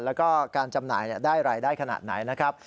แล้วก็การจำหน่ายได้รายได้ขนาดไหนนะครับ